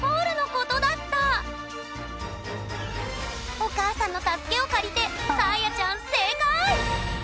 お母さんの助けを借りてさあやちゃん正解！